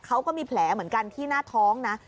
เขาก็มีแผลเหมือนกันที่หน้าท้องนะ